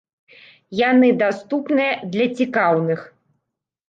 Яны даступныя для цікаўных.